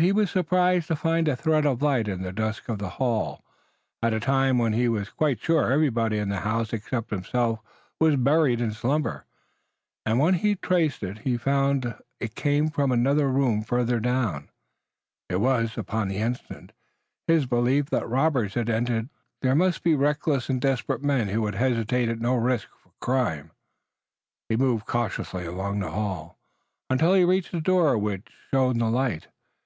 He was surprised to find a thread of light in the dusk of the hall, at a time when he was quite sure everybody in the house except himself was buried in slumber, and when he traced it he found it came from another room farther down. It was, upon the instant, his belief that robbers had entered. In a port like New York, where all nations come, there must be reckless and desperate men who would hesitate at no risk or crime. He moved cautiously along the hall, until he reached the door from which the light shone.